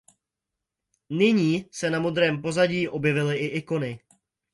Nyní se na modrém pozadí objevily i ikony.